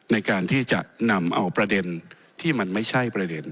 ในการที่จะนำเอาประเด็นที่มันไม่ใช่ประเด็น